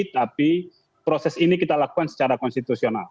tapi proses ini kita lakukan secara konstitusional